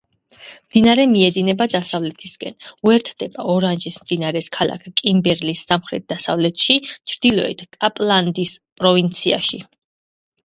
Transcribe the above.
მდინარე მიედინება დასავლეთისკენ, უერთდება ორანჟის მდინარეს ქალაქ კიმბერლის სამხრეთ-დასავლეთში, ჩრდილოეთ კაპლანდის პროვინციაში.